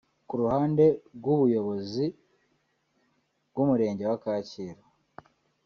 Ku ruhande rw’ubuyobozi bw’Umurenge wa Kacyiru